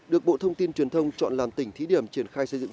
được bộ thông tin truyền thông chọn làm tỉnh thí điểm triển khai xây dựng